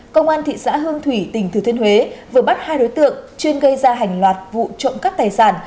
công an thị xã hương thủy tỉnh thừa thiên huế vừa bắt hai đối tượng chuyên gây ra hàng loạt vụ trộm cắp tài sản